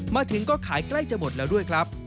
มาถึงก็ขายใกล้จะหมดแล้วด้วยครับ